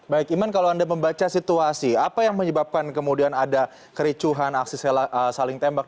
baik iman kalau anda membaca situasi apa yang menyebabkan kemudian ada kericuhan aksi saling tembak